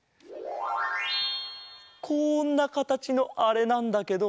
こんなかたちのあれなんだけどなんだっけ？